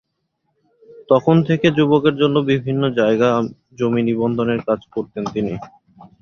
তখন থেকে যুবকের জন্য বিভিন্ন জায়গা জমি নিবন্ধনের কাজ করতেন তিনি।